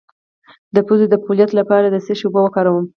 د پوزې د پولیت لپاره د څه شي اوبه وکاروم؟